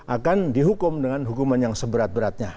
akan dihukum dengan hukuman yang seberat beratnya